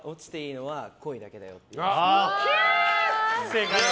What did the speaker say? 正解は？